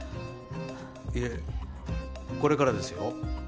いえこれからですよ。